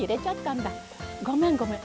ごめんごめん。